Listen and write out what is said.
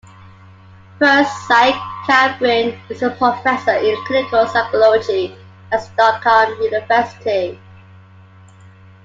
Per "Zike" Carlbring is a professor in clinical psychology at Stockholm university.